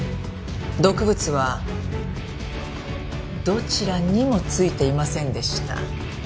毒物はどちらにも付いていませんでした。